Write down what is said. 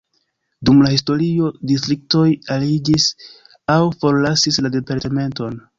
Dum la historio distriktoj aliĝis aŭ forlasis la departementon.